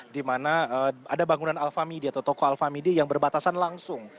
di mana ada bangunan alfa midi atau toko alfa midi yang berbatasan langsung